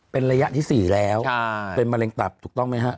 เป็นระยะที่๔แล้วเป็นมะเร็งตับถูกต้องไหมฮะ